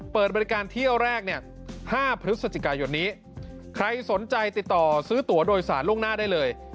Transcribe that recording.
เปิดบริการเที่ยวแรกเนี่ย๕พฤศจิกายนนี้ใครสนใจติดต่อซื้อตัวโดยสารล่วงหน้าได้เลย